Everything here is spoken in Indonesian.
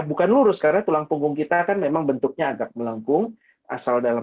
bukan lurus karena tulang punggung kita akan memang bentuknya agak melengkung asal dalam